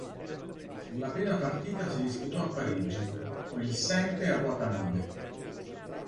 La prima partita si disputò a Parigi, con il "Sente" a Watanabe.